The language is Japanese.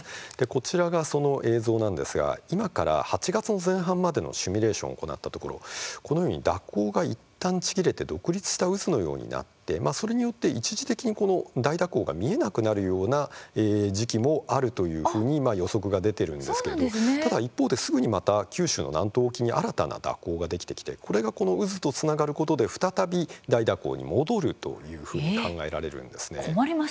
こちらが、その映像なんですが今から８月の前半までのシミュレーションを行ったところこのように蛇行がいったんちぎれて独立した渦のようになってそれによって一時的にこの大蛇行が見えなくなるような時期もあるというふうに予測が出ているんですけれどもただ、一方ですぐにまた九州の南東沖に新たな蛇行ができてきてこれが、この渦とつながることで再び大蛇行に戻るというふうに困りますね。